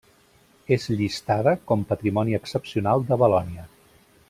És llistada com patrimoni excepcional de Valònia.